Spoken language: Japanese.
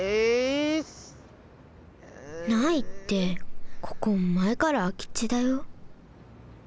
ないってここまえからあきちだよ？